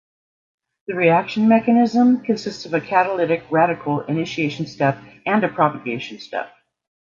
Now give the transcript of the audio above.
The reaction mechanism consists of a catalytic radical initiation step and a propagation step.